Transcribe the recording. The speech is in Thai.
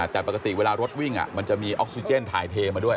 แต่ปกติเวลารถวิ่งมันจะมีออกซิเจนถ่ายเทมาด้วย